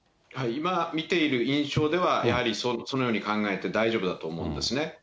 今見ている印象では、やはりそのように考えて大丈夫だと思うんですね。